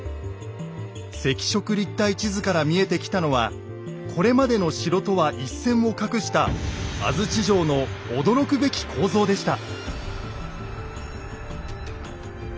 赤色立体地図から見えてきたのはこれまでの城とは一線を画した安土城の驚くべき構造でした。